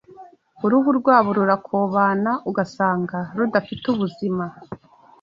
Uruhu rwabo rurakobana ugasanga rudafite ubuzima